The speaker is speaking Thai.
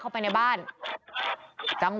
เข้าไปในบ้านส่งเสียงโวยวายจนเด็กร้องไห้จ้าเลยอะ